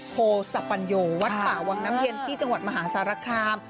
โพสปัญโยวัดป่าวังน้ำเย็นที่จังหวัดมหาสารคาม